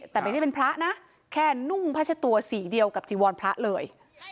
แต่ไม่ใช่เป็นพระนะแค่นุ่งพระชะตัวสีเดียวกับจีวรพระเลย